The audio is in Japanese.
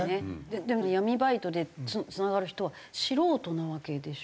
でも闇バイトでつながる人は素人なわけでしょ？